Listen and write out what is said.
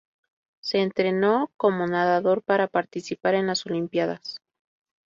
Se entrenó como nadador para participar en las Olimpiadas.